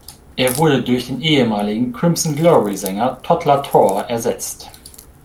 Er wurde durch den ehemaligen Crimson-Glory-Sänger Todd La Torre ersetzt.